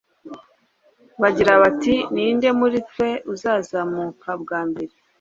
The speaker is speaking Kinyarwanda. bagira bati ni nde muri twe uzazamuka bwa mbere